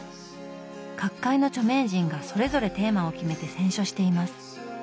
各界の著名人がそれぞれテーマを決めて選書しています。